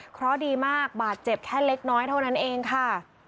เพราะดีมากบาดเจ็บแค่เล็กน้อยเท่านั้นเองค่ะ